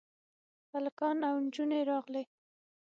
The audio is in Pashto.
هلکان او نجونې راغلې.